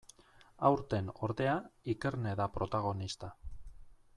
Aurten, ordea, Ikerne da protagonista.